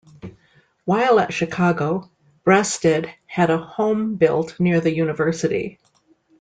While at Chicago, Breasted had a home built near the university.